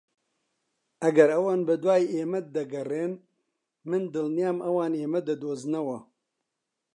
ئەگەر ئەوان بەدوای ئێمە دەگەڕێن، من دڵنیام ئەوان ئێمە دەدۆزنەوە.